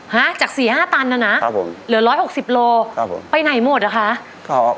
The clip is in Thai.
ฮะจาก๔๕ตันอะนะเหลือ๑๖๐โลไปไหนหมดละคะ